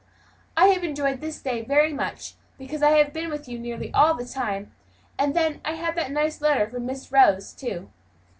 "I have enjoyed this day very much, because I have been with you nearly all the time; and then, I had that nice letter from Miss Rose, too."